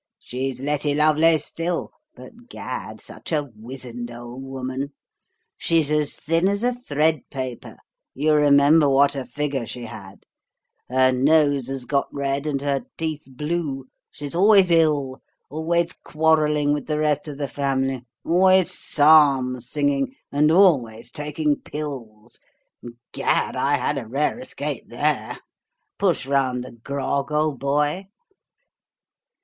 'She's Letty Lovelace still; but Gad, such a wizened old woman! She's as thin as a thread paper; (you remember what a figure she had:) her nose has got red, and her teeth blue. She's always ill; always quarrelling with the rest of the family; always psalm singing, and always taking pills. Gad, I had a rare escape THERE. Push round the grog, old boy.'